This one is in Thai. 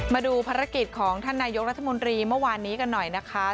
มาดูภารกิจของท่านนายกรัฐมนตรีเมื่อวานนี้กันหน่อยนะคะ